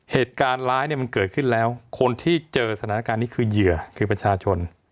เหตุการณ์ร้ายเนี่ยมันเกิดขึ้นแล้วคนที่เจอสถานการณ์นี้คือเหยื่อคือประชาชน